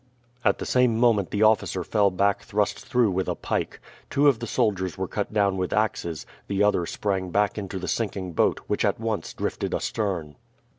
At the same moment the officer fell back thrust through with a pike. Two of the soldiers were cut down with axes, the other sprang back into the sinking boat, which at once drifted astern.